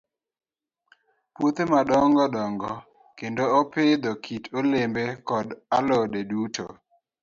Puothe madongo dongo, kendo opidho kit olembe koda alode duto.